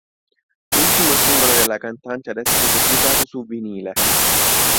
L'ultimo singolo della cantante ad essere pubblicato su vinile.